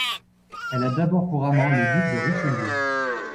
Elle a d'abord pour amant le duc de Richelieu.